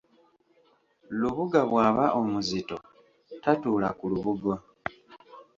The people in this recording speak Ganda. Lubuga bwaba omuzito tatuula ku lubugo.